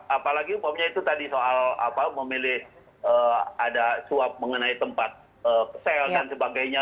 apalagi umpamanya itu tadi soal memilih ada suap mengenai tempat sel dan sebagainya